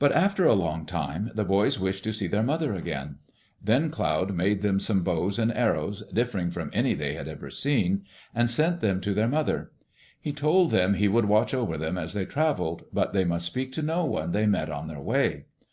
But after a long time, the boys wished to see their mother again. Then Cloud made them some bows and arrows differing from any they had ever seen, and sent them to their mother. He told them he would watch over them as they travelled but they must speak to no one they met on their way.